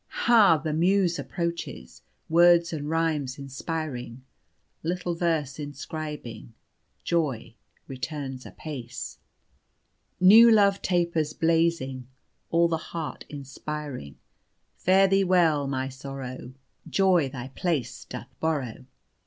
"Ha! the Muse approaches, Words and rhymes inspiring, Little verse inscribing, Joy returns apace. "New love tapers blazing, All the heart inspiring, Fare thee well, my sorrow, Joy thy place doth borrow.